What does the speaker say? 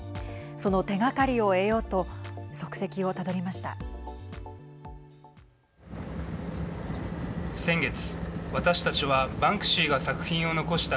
その手がかりを得ようと足跡をたどりました。